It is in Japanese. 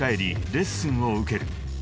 レッスンを受ける］